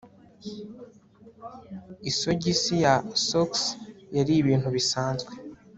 Isogisi ya sock yari ibintu bisanzwe